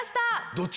どっち？